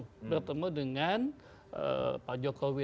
kita ketemu dengan pak jokowi